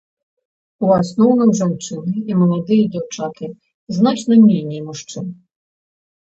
У асноўным жанчыны і маладыя дзяўчаты, значна меней мужчын.